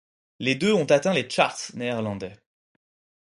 Les deux ont atteint les charts néerlandais.